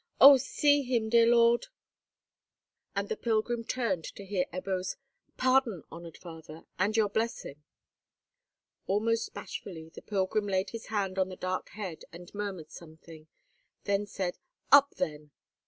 Oh, see him, dear lord!" And the pilgrim turned to hear Ebbo's "Pardon, honoured father, and your blessing." Almost bashfully the pilgrim laid his hand on the dark head, and murmured something; then said, "Up, then!